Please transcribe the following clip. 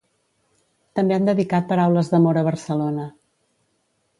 També han dedicat paraules d'amor a Barcelona.